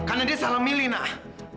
karena dia salah milih nak